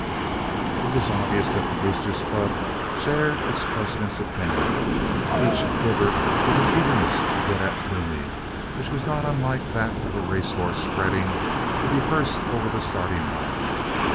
It was obvious that the Boosters Club shared its president's opinion. Each quivered with an eagerness to get at Toomey which was not unlike that of a race horse fretting to be first over the starting line.